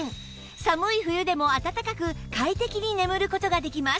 寒い冬でも暖かく快適に眠る事ができます